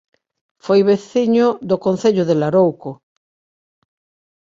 Foi veciño do Concello de Larouco